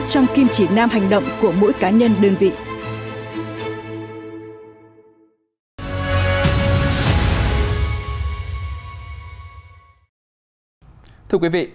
trong kim chỉ nam hành động của mỗi cá nhân đơn vị